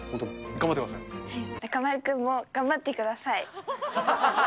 中丸君も頑張ってください。